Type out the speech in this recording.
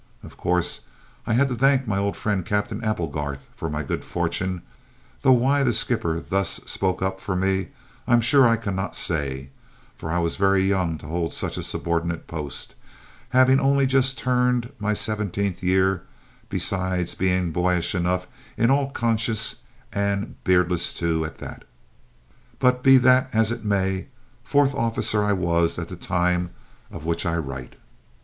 Of course I had to thank my old friend Captain Applegarth for my good fortune, though why the skipper thus spoke up for me I'm sure I cannot say, for I was very young to hold such a subordinate post, having only just turned my seventeenth year, besides being boyish enough in all conscience, and beardless, too, at that! But, be that as it may, fourth officer I was at the time of which I write.